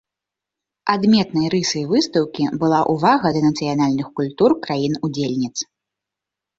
Адметнай рысай выстаўкі была ўвага да нацыянальных культур краін-удзельніц.